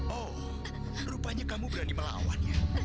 oh rupanya kamu berani melawannya